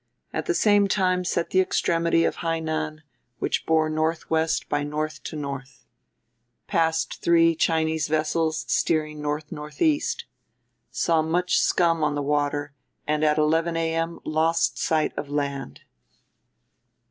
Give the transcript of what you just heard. At the same time set the extremity of Hainan which bore NW by N to N. Past three Chinese vessels steering NNE. Saw much scum on the water and at 11 A.M. lost sight of land."